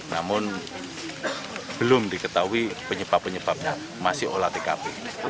namun belum diketahui penyebab penyebabnya masih olah tkp